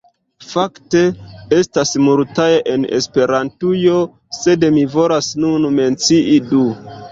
Fakte, estas multaj en Esperantujo sed mi volas nun mencii du